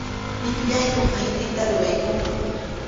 Llipillayku aynita ruraykuman.